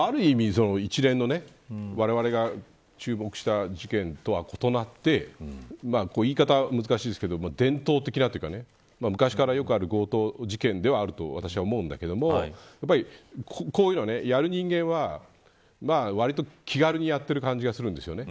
ある意味、一連のわれわれが注目した事件とは異なって言い方は難しいですけど伝統的なというか昔からよくある強盗事件ではある、と私は思うんだけどやっぱりこういうのを、やる人間はわりと気軽にやってる感じがするんですよね。